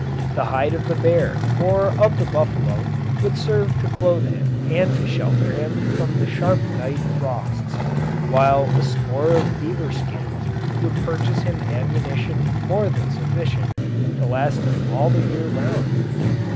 The hide of the bear or of the buffalo would serve to clothe him and to shelter him from the sharp night frosts; while a score of beaver skins would purchase him ammunition more than sufficient to last him all the year round.